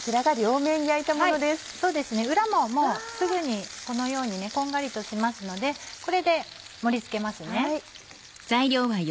裏ももうすぐにこのようにこんがりとしますのでこれで盛り付けますね。